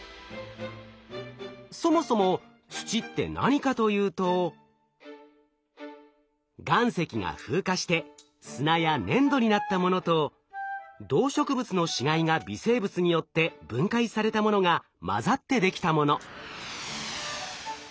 そもそも土って何かというと岩石が風化して砂や粘土になったものと動植物の死骸が微生物によって分解されたものが混ざってできたもの。